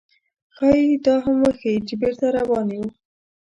ښايي دا هم وښيي، چې چېرته روان یو.